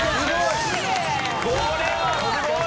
これはすごい！